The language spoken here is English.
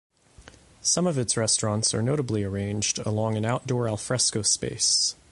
Some of its restaurants are notably arranged along an outdoor alfresco space.